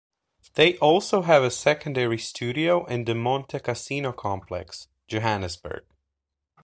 They also have a secondary studio in the Montecasino complex, Johannesburg.